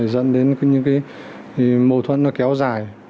dẫn đến những cái mâu thuẫn nó kéo dài